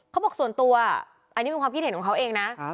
ส่วนตัวอันนี้เป็นความคิดเห็นของเขาเองนะ